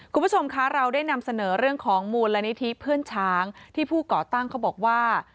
คุณผู้ชมคะเราได้นำเสนอเรื่องของมูลนิธิเพื่อนช้างที่ผู้ก่อตั้งเขาบอกว่า